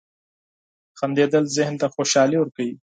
• خندېدل ذهن ته خوشحالي ورکوي.